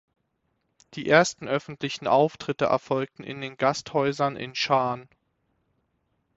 Die ersten öffentlichen Auftritte erfolgten in den Gasthäusern in Schaan.